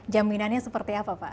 jaminannya seperti apa pak